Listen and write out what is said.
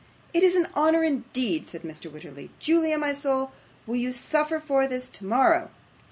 'It is an honour, indeed!' said Mr. Wititterly. 'Julia, my soul, you will suffer for this tomorrow.